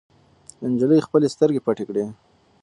نجلۍ خپلې سترګې پټې کړې.